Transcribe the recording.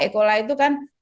e coli itu kan kuman